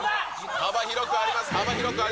幅広くあります。